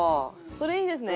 それいいですね。